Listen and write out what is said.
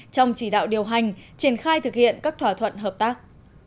trong chỉ đạo điều hành triển khai thực hiện các thỏa thuận hợp tác